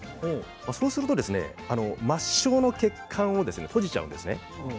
そうすると末しょうの血管を閉じてしまうんです。